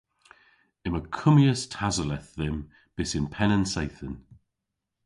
Yma kummyas tasoleth dhymm bys yn penn an seythen.